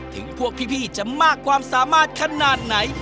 ถึงพวกพี่จะมากความสามารถขนาดไหน